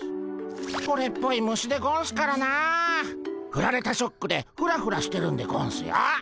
ほれっぽい虫でゴンスからなふられたショックでフラフラしてるんでゴンスよ。